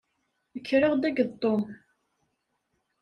Kkreɣ-d akked Tom.